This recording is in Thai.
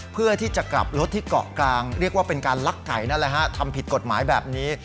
เพื่อที่จะกลับรถที่เกาะกลางเรียกว่าเป็นการลักไก่นั่นแหละฮะทำผิดกฎหมายแบบนี้